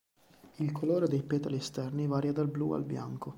Il colore dei petali esterni varia dal blu al bianco.